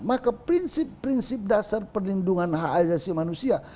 maka prinsip prinsip dasar perlindungan hak ajasi manusia